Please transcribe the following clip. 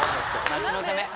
町のため。